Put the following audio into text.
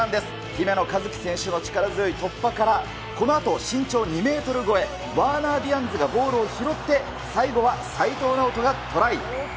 姫野和樹選手の力強い突破からこのあと、身長２メートル超え、ワーナー・ディアンズがボールを拾って、最後は齋藤直人がトライ。